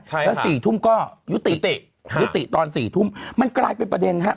ใช่แล้ว๔ทุ่มก็ยุติยุติตอน๔ทุ่มมันกลายเป็นประเด็นฮะ